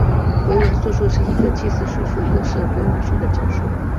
回文素数是一个既是素数又是回文数的整数。